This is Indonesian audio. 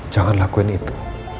jangan lakuin itu